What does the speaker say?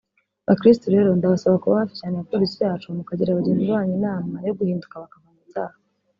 Bakirisitu rero ndabasaba kuba hafi cyane ya Polisi yacu mukagira bagenzi banyu inama yo guhinduka bakava mu byaha